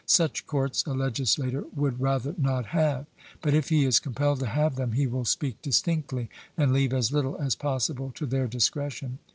Such courts a legislator would rather not have; but if he is compelled to have them, he will speak distinctly, and leave as little as possible to their discretion.